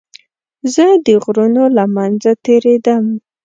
زه د غرونو له منځه تېرېدم.